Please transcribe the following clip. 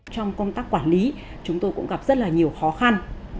trong công tác quản lý chúng tôi cũng gặp rất là nhiều khó khăn